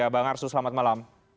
bang arsul selamat malam